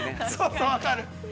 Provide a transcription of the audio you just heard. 分かる。